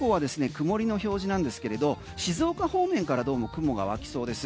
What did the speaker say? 曇りの表示なんですけれど静岡方面からどうも雲が湧きそうです。